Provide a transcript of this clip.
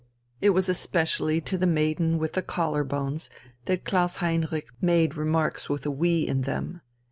It was especially to the maiden with the collar bones that Klaus Heinrich made remarks with a "We" in them.